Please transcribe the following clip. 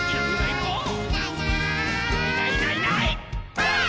ばあっ！